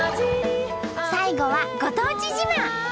最後はご当地自慢。